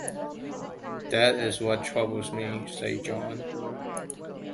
"That is what troubles me," said Jon.